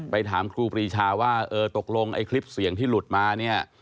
ถามครูปรีชาว่าเออตกลงไอ้คลิปเสียงที่หลุดมาเนี่ย